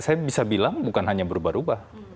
saya bisa bilang bukan hanya berubah ubah